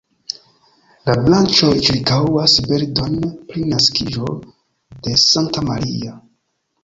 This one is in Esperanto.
La branĉoj ĉirkaŭas bildon pri naskiĝo de Sankta Maria.